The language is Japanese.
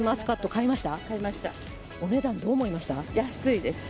買いました？